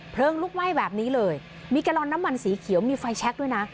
ลุกไหม้แบบนี้เลยมีแกลลอนน้ำมันสีเขียวมีไฟแช็คด้วยนะ